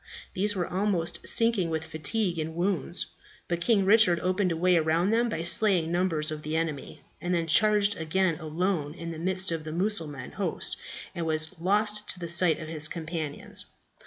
These were almost sinking with fatigue and wounds; but King Richard opened a way around them by slaying numbers of the enemy, and then charged again alone into the midst of the Mussulman host, and was lost to the sight of his companions.